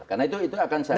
karena itu akan sangat